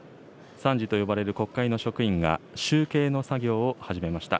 参事と呼ばれる国会の職員が集計の作業を始めました。